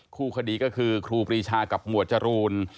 คู่คดีก็คือครูปรีชากับหมวดจรูน